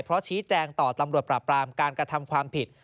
เพราะชี้แจงต่อตำรวจปราบรามการกระทำความผิด